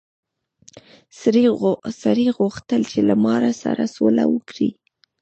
سړي غوښتل چې له مار سره سوله وکړي.